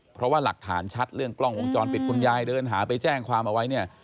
เพราะว่าหลักฐานชัดเรื่องกล้องวงจรปิดคุณยายเดินหาไปแจ้งความเอาไว้เนี่ย